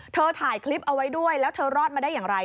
ถ่ายคลิปเอาไว้ด้วยแล้วเธอรอดมาได้อย่างไร